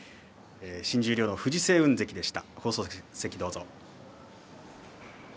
新十両藤青雲関でした。